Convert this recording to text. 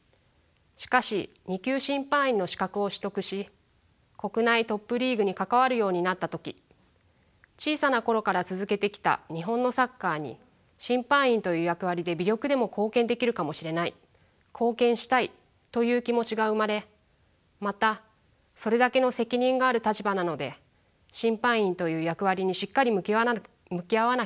しかし２級審判員の資格を取得し国内トップリーグに関わるようになった時小さな頃から続けてきた日本のサッカーに審判員という役割で微力でも貢献できるかもしれない貢献したいという気持ちが生まれまたそれだけの責任がある立場なので審判員という役割にしっかり向き合わなければと思いました。